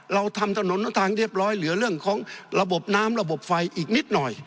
เราทำถนนทางเรียบร้อยเหลือเรื่องของระบบน้ำระบบไฟอีกนิดหน่อย